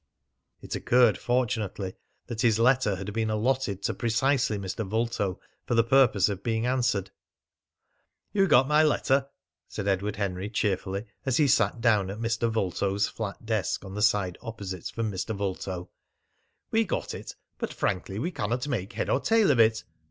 It occurred fortunately that his letter had been allotted to precisely Mr. Vulto for the purpose of being answered. "You got my letter?" said Edward Henry cheerfully as he sat down at Mr. Vulto's flat desk on the side opposite from Mr. Vulto. "We got it, but frankly we cannot make head or tail of it!